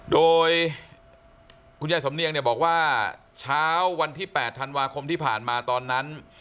โดยคุณยายสำเนียงเนี่ยบอกว่าเช้าวันที่๘ธันวาคมที่ผ่านมาตอนนั้น